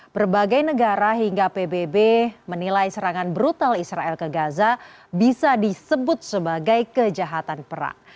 berbagai negara hingga pbb menilai serangan brutal israel ke gaza bisa disebut sebagai kejahatan perang